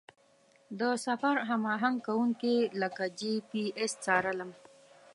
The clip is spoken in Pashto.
د سفر هماهنګ کوونکي لکه جي پي اس څارلم.